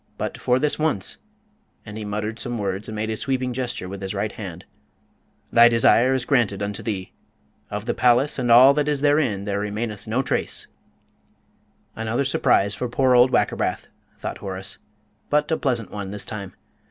But for this once" and he muttered some words and made a sweeping gesture with his right hand "thy desire is granted unto thee. Of the palace and all that is therein there remaineth no trace!" "Another surprise for poor old Wackerbath," thought Horace, "but a pleasant one this time.